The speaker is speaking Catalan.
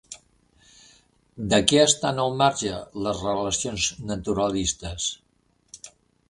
De què estan al marge les relacions naturalistes?